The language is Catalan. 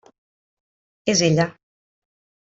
És ella.